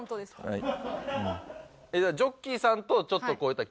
はい。